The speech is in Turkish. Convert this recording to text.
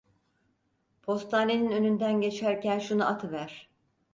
Postanenin önünden geçerken şunu atıver!